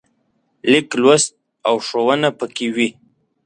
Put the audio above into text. لیک لوست او ښوونه پکې وي.